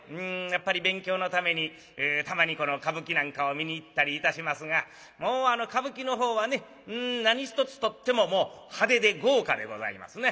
やっぱり勉強のためにたまに歌舞伎なんかを見に行ったりいたしますがもうあの歌舞伎のほうはね何一つとってももう派手で豪華でございますな。